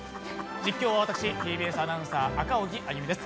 実況は私、ＴＢＳアナウンサー・赤荻歩です。